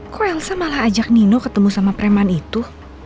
kok elsa malah ajak nino ketemu sama pereman itu